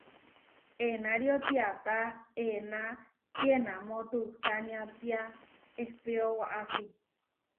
Enariótiata ená kienamó tučaniátia ehpéo waʼási.